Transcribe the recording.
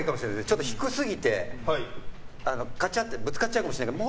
ちょっと低すぎて、ガチャッてぶつかっちゃうかもしれないから。